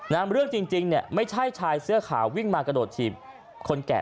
นำเรื่องจริงไม่ใช่ชายเสื้อขาววิ่งมากระโดดทีบคนแก่